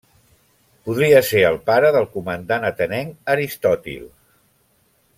Podria ser el pare del comandant atenenc Aristòtil.